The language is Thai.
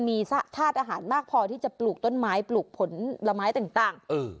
มีสะทาสอาหารมากพอที่จะปลูกต้นไม้ปลูกผลไม้ต่างต่างเออ